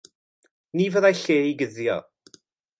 Ni fyddai lle i guddio.